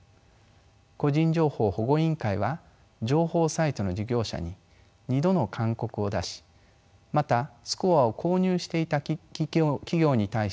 個人情報保護委員会は情報サイトの事業者に２度の勧告を出しまたスコアを購入していた企業に対しても指導を行いました。